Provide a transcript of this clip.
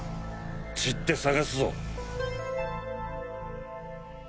散って捜すぞ！